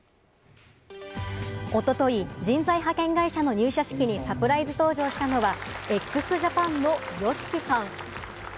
一昨日、人材派遣会社の入社式にサプライズ登場したのは、ＸＪＡＰＡＮのＹＯＳＨＩＫＩさん。